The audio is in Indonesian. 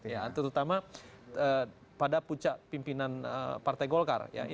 ya terutama pada pucat pimpinan partai golkar